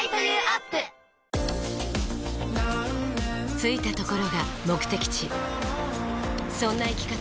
着いたところが目的地そんな生き方